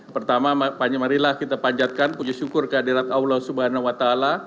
pertama mari kita panjatkan puji syukur kehadirat allah swt